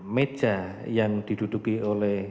meja yang diduduki oleh